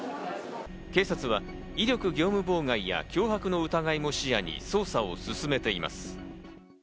警察は威力業務妨害や脅迫の疑いも視野に捜査を進めています。